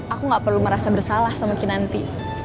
aku nggak perlu merasa bersalah semakin nanti